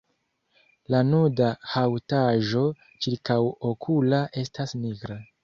La nuda haŭtaĵo ĉirkaŭokula estas nigra.